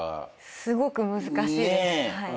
すごく難しいですはい。